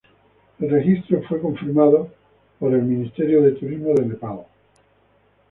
El registro fue confirmada por el Ministerio de Turismo de Nepal.